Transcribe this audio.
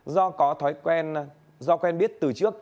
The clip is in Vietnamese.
do có thói quen do quen biết từ trước